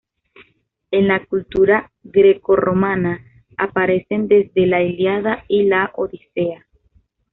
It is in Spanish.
En la cultura grecorromana aparecen desde la "Ilíada" y la "Odisea".